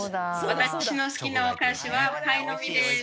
私の好きなお菓子はパイの実です。